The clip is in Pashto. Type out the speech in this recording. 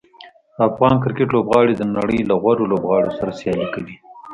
افغان کرکټ لوبغاړي د نړۍ له غوره لوبغاړو سره سیالي کوي.